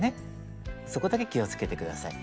そこだけ気をつけて下さい。